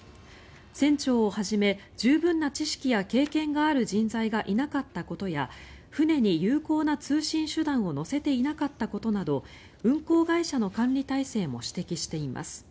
船長をはじめ十分な知識や経験がある人材がいなかったことや船に有効な通信手段を載せていなかったことなど運航会社の管理体制も指摘しています。